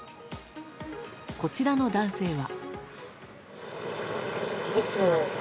こちらの男性は。